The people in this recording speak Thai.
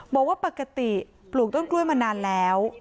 บอกว่าปกติปลูกต้นกล้วยมานานแล้ว